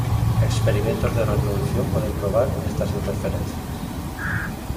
Experimentos de reproducción pueden probar estas interferencias.